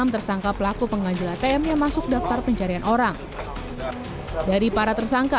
enam tersangka pelaku pengajil atm yang masuk daftar pencarian orang dari para tersangka